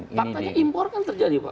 faktanya impor kan terjadi pak